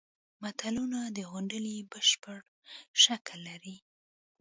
متلونه د غونډلې بشپړ شکل لري